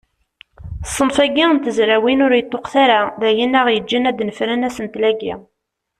Ṣṣenf-agi n tezrawin ur yeṭṭuqet ara, d ayen aɣ-yeǧǧen ad d-nefren asentel-agi.